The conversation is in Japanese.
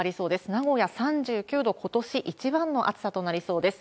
名古屋３９度、ことし一番の暑さとなりそうです。